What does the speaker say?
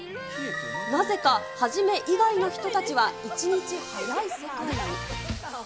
なぜか、一以外の人たちは１日早い世界に。